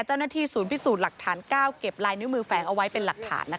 เจ้าหน้าที่ศูนย์พิสูจน์หลักฐาน๙เก็บลายนิ้วมือแฝงเอาไว้เป็นหลักฐาน